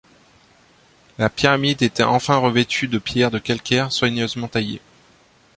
La pyramide était enfin revêtue de pierres de calcaire soigneusement taillées.